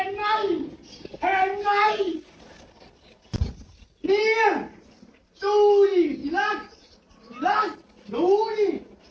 เนี่ยดูดิไอ้ลักดูดิ